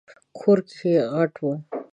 کور یې غټ و .